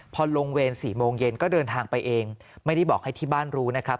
พอลงเวร๔โมงเย็นก็เดินทางไปเองไม่ได้บอกให้ที่บ้านรู้นะครับ